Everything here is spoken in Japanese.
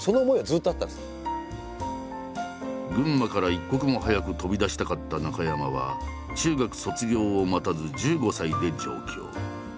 群馬から一刻も早く飛び出したかった中山は中学卒業を待たず１５歳で上京。